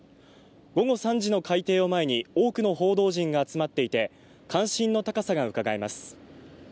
午後３時の開廷を前に多くの報道陣が集まっていて関心の高さがうかがえます